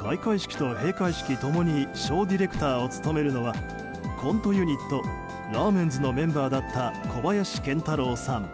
開会式と閉会式共にショーディレクターを務めるのはコントユニットラーメンズのメンバーだった小林賢太郎さん。